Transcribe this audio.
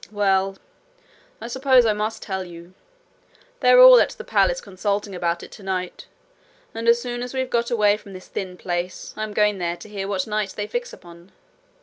'Well, I suppose I must tell you. They're all at the palace consulting about it tonight; and as soon as we've got away from this thin place I'm going there to hear what night they fix upon.